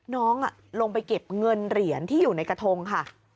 น้องลงไปเก็บเงินเหรียญที่อยู่ในกระทงค่ะ